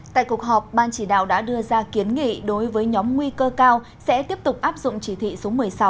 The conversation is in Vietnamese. tại cuộc họp ban chỉ đạo đã đưa ra kiến nghị đối với nhóm nguy cơ cao sẽ tiếp tục áp dụng chỉ thị số một mươi sáu